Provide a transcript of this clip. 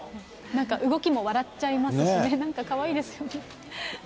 なんか動きも笑っちゃいますしね、なんかかわいいですね。